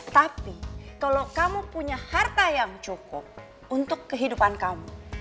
tapi kalau kamu punya harta yang cukup untuk kehidupan kamu